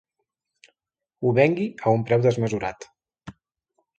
Ho vengui a un preu desmesurat.